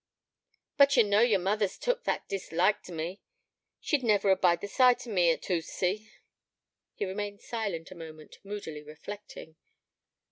'But ye know yer mother's took that dislike t' me. She'd never abide the sight o' me at Hootsey.' He remained silent a moment, moodily reflecting.